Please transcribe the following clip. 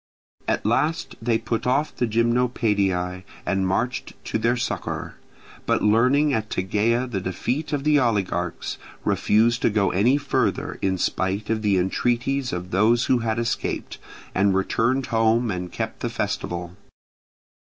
At last they put off the Gymnopaediae and marched to their succour, but learning at Tegea the defeat of the oligarchs, refused to go any further in spite of the entreaties of those who had escaped, and returned home and kept the festival.